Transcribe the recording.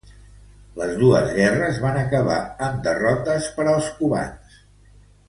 Les dos guerres van acabar en derrotes per als cubans.